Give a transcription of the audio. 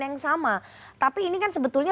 yang sama tapi ini kan sebetulnya